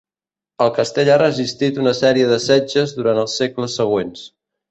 El castell ha resistit una sèrie de setges durant els segles següents.